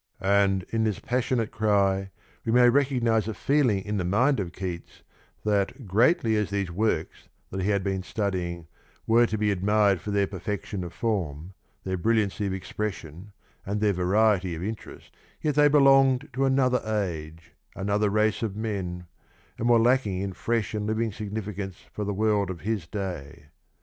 And in this passion ate cry we may recognise a feeling in the mind of Keats that greatly as these works that he had been studying were to be admired for their perfection of form, their brilliance of expression, and their variety of interest, yet they belonged to another age, another race of men, and were lacking in fresh and living significance for the world of his day.